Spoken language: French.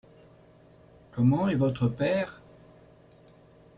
Comment est votre père ?